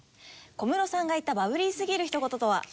小室さんが言ったバブリーすぎる一言とは？